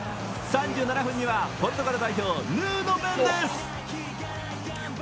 ３７分には、ポルトガル代表、ヌーノ・メンデス！